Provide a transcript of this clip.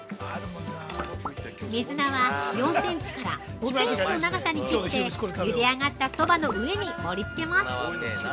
◆水菜は４センチから５センチの長さに切って茹で上がったそばの上に盛り付けます。